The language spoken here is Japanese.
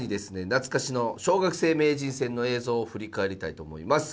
懐かしの小学生名人戦の映像を振り返りたいと思います。